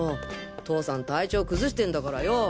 父さん体調崩してんだからよぉ！